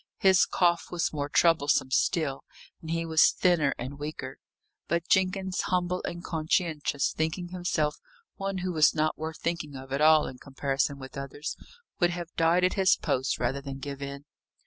His cough was more troublesome still, and he was thinner and weaker. But Jenkins, humble and conscientious, thinking himself one who was not worth thinking of at all in comparison with others, would have died at his post rather than give in.